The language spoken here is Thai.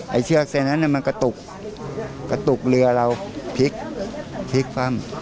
เชือกเส้นนั้นมันกระตุกกระตุกเรือเราพลิกพลิกคว่ำ